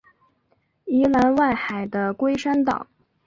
宜兰外海的龟山岛